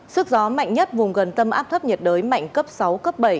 sức gió mạnh nhất vùng gần tâm áp thấp nhiệt đới mạnh cấp sáu cấp bảy